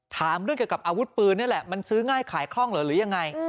ถามเรื่องเกี่ยวกับอาวุธปืนนี่แหละมันซื้อง่ายขายคล่องเหรอหรือยังไง